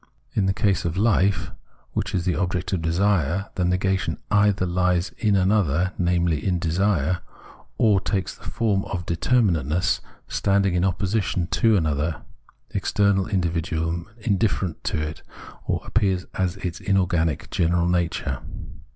In the case of hfe, which is the object of desire, the negation either lies in an other, namely, in desire, or takes the form of determinateness standing in opposition to an other external individuum indifferent to it, or appears as its inorganic general nature.